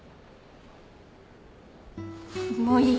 もういい。